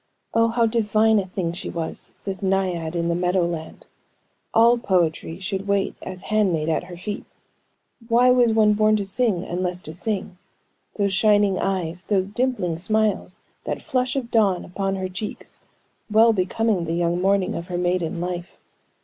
Oh, how divine a thing she was, this naiad in the meadow land; all poetry should wait as handmaid at her feet. Why was one born to sing, unless to sing. Those shining eyes, those dimpling smiles, that flush of dawn upon her cheeks, well becoming the young morning of her maiden life.